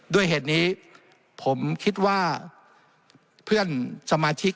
ด้วยเหตุนี้ผมคิดว่าเพื่อนสมาชิก